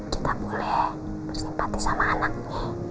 kita boleh bersimpati sama anaknya